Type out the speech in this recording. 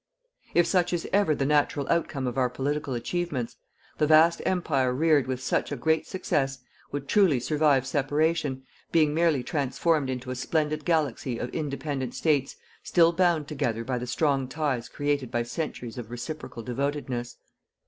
If such is ever the natural outcome of our political achievements, the vast Empire reared with such a great success would truly survive separation, being merely transformed into a splendid galaxy of independent States still bound together by the strong ties created by centuries of reciprocal devotedness.